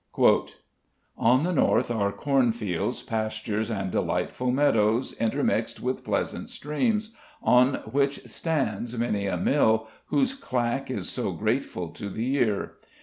"On the north are cornfields, pastures, and delightful meadows, intermixed with pleasant streams, on which stands many a mill, whose clack is so grateful to the ear.